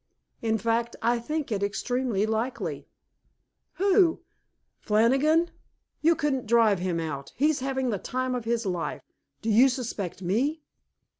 In fact, I think it extremely likely." "Who? Flannigan? You couldn't drive him out. He's having the time of his life. Do you suspect me?"